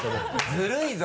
ずるいぞ！